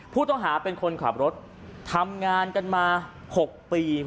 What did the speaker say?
ผู้ต้องหาเป็นคนขับรถทำงานกันมา๖ปี